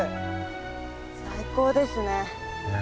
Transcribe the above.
最高ですね。